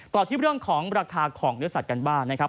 ต่อที่เรื่องของราคาของเนื้อสัตว์กันบ้างนะครับ